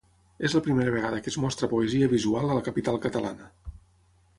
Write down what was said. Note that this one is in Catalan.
És la primera vegada que es mostra poesia visual a la capital catalana.